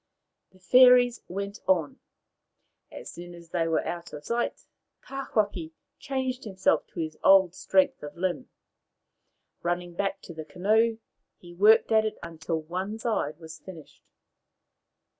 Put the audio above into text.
The fairies went on. As soon as they were out of sight Tawhaki changed himself to his old strength of limb. Running back to the canoe, he worked at it until one side was finished.